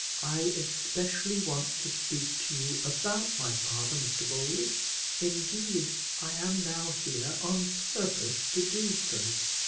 "I especially want to speak to you about my father, Mr Bold; indeed, I am now here on purpose to do so.